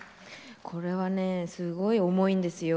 これはねすごい重いんですよ。